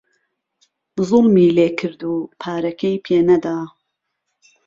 زووڵمی لێکرد و پارەکەی پێ نەدا